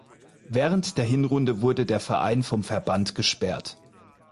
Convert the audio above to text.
Während der Hinrunde wurde er Verein vom Verband gesperrt.